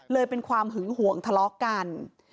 เลยเป็นความหึงห่วงทะเลาะกัน